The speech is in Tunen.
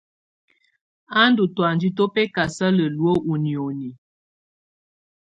Á ndù tɔ̀ánjɛ tu bɛkasala luǝ́ ú nioni.